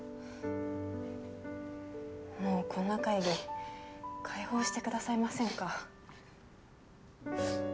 もうこんな会議解放してくださいませんか？